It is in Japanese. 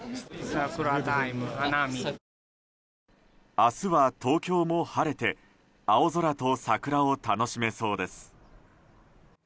明日は東京も晴れて青空と桜を楽しめそうです。